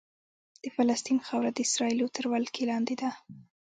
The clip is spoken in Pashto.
د فلسطین خاوره د اسرائیلو تر ولکې لاندې ده.